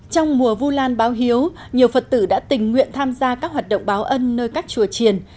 trong mùa vu lan báo hiếu nhiều phật tử đã tình nguyện tham gia các hoạt động báo ân nơi các chùa triền